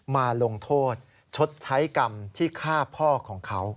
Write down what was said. มาลงโทษชดใช้กรรมที่ฆ่าพ่อของเขา